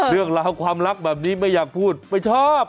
เรื่องราวความรักแบบนี้ไม่อยากพูดไม่ชอบ